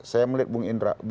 saya melihat bung indra